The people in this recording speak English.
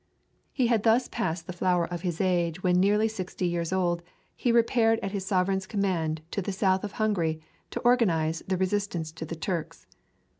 He had thus passed the flower of his age when nearly sixty years old, he repaired at his sovereign's command to the south of Hungary to organize the resistance to the Turks.